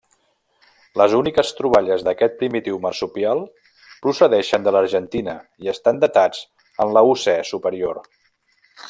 Les úniques troballes d'aquest primitiu marsupial procedeixen de l'Argentina i estan datats en l'Eocè Superior.